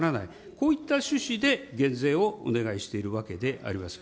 こういった趣旨で減税をお願いしているわけであります。